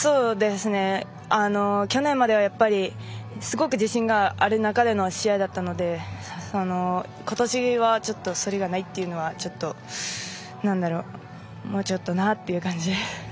去年まではすごく自信がある中での試合だったので今年はちょっとそれがないっていうのはもうちょっとなっていう感じです。